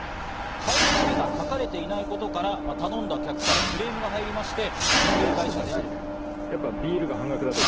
開始日が書かれていないことから頼んだ客からクレームが入りまして。